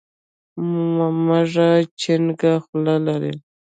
مږه چينګه خوله لري.